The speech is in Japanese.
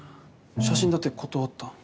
写真だって断った。